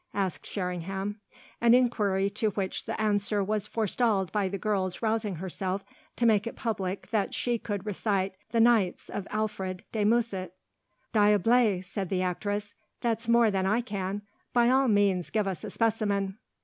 asked Sherringham: an inquiry to which the answer was forestalled by the girl's rousing herself to make it public that she could recite the "Nights" of Alfred de Musset. "Diable!" said the actress: "that's more than I can! By all means give us a specimen."